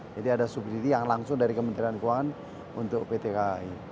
jadi ada subsidi yang langsung dari kementerian keuangan untuk pt kai